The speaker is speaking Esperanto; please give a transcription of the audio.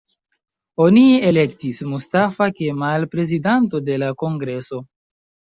Oni elektis Mustafa Kemal prezidanto de la kongreso.